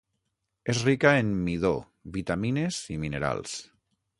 És rica en midó, vitamines i minerals.